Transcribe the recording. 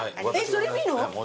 それもいいの？